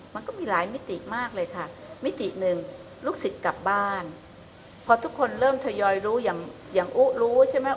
มันก็มีหลายมิติมากเลยค่ะมิติหนึ่งลูกศิษย์กลับบ้านพอทุกคนเริ่มทยอยรู้อย่างอย่างอุ๊รู้ใช่ไหม